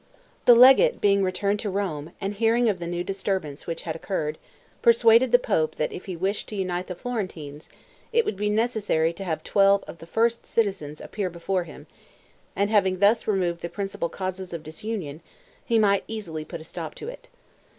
The legate being returned to Rome, and hearing of the new disturbance which had occurred, persuaded the pope that if he wished to unite the Florentines, it would be necessary to have twelve of the first citizens appear before him, and having thus removed the principal causes of disunion, he might easily put a stop to it.